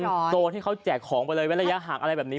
คือโซนที่เขาแจกของไปเลยเว้นระยะห่างอะไรแบบนี้